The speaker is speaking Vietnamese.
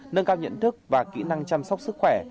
nâng cao nhận thức và kỹ năng chăm sóc sức khỏe